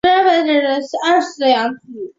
二世的养子。